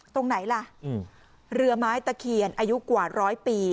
ตรงไหนล่ะเรือไม้ตะเคียนอายุกว่าร้อยปี